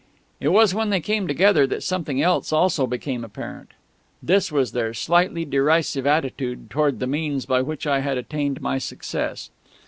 It was when they came together that something else also became apparent. This was their slightly derisive attitude towards the means by which I had attained my success.